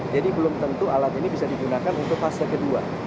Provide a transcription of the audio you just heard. jadi belum tentu alat ini bisa digunakan untuk fase kedua